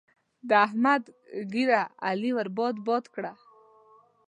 د احمد ږيره؛ علي ور باد باد کړه.